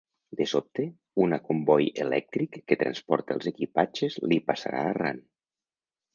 De sobte, una comboi elèctric que transporta els equipatges li passarà arran.